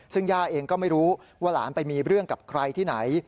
ซึ่งย่าเองก็ไม่รู้ว่าหลานไปมีเรื่องกับใครที่ไหน